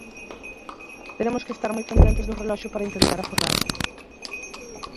Teremos que estar moi pendentes do reloxo para intentar aforrar.